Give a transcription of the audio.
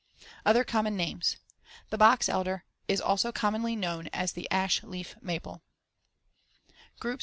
Other common names: The box elder is also commonly known as the ash leaf maple. GROUP VI.